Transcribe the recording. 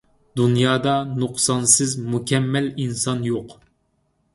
دۇنيادا نۇقسانسىز، مۇكەممەل ئىنسان يوق.